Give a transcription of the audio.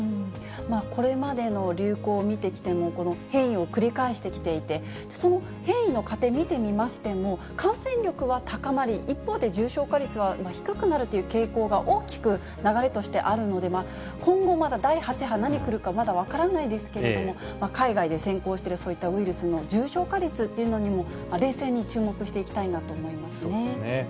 これまでの流行を見てきても、この変異を繰り返してきていて、その変異の過程、見てみましても、感染力は高まり、一方で重症化率は低くなるという傾向が、大きく流れとしてあるので、今後、まだ第８波、何来るかまだ分からないですけれども、海外で先行している、そういったウイルスの重症化率というのにも、冷静に注目していきそうですね。